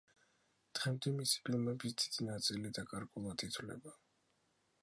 დღემდე მისი ფილმების დიდი ნაწილი დაკარგულად ითვლება.